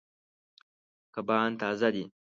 کبان تازه دي.